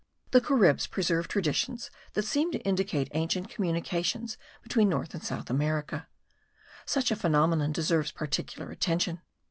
The Caribs preserve traditions that seem to indicate ancient communications between North and South America. Such a phenomenon deserves particular attention.